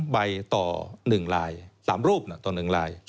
ใบต่อ๑ลาย๓รูปต่อ๑ลาย